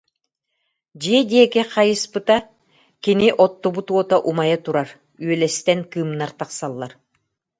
Дьиэ диэки хайыспыта: кини оттубут уота умайа турар, үөлэстэн кыымнар тахсаллар